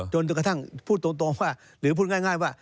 จนกระทั่งพูดตรงว่าหรือพูดง่ายว่า